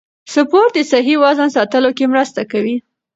سپورت د صحي وزن ساتلو کې مرسته کوي.